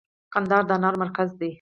کندهار د انارو مرکز دی